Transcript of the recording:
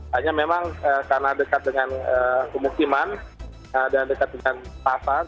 hanya memang karena dekat dengan pemukiman dan dekat dengan pasar